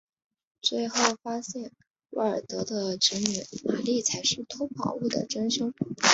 最后发现霍尔德的侄女玛丽才是偷宝物的真凶。